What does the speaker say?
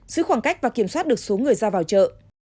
giữ khoảng cách và kiểm soát được số người ra vào chợ